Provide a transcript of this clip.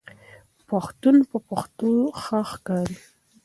پښتون په پښتو ښه ښکاریږي